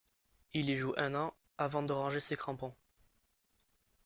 Il y joue un an avant de ranger ses crampons.